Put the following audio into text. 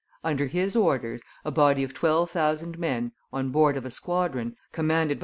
Under his orders, a body of twelve thousand men, on board of a squadron, commanded by M.